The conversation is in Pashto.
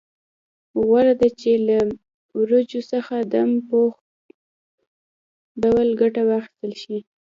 غوره ده چې له وریجو څخه دم پوخ ډول ګټه واخیستل شي.